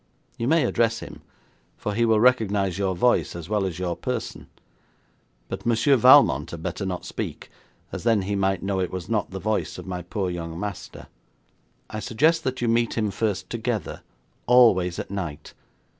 You may address him, for he will recognise your voice as well as your person, but Monsieur Valmont had better not speak, as then he might know it was not the voice of my poor young master. I suggest that you meet him first together, always at night.